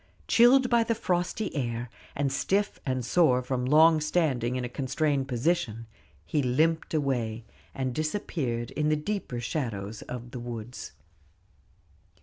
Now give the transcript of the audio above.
Chilled by the frosty air, and stiff and sore from long standing in a constrained position, he limped away, and disappeared in the deeper shadows of the woods.